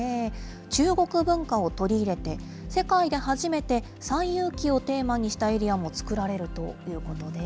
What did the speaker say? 中国文化を取り入れて、世界で初めて、西遊記をテーマにしたエリアも作られるということです。